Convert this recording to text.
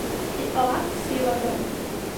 Иҟалап сеилагар.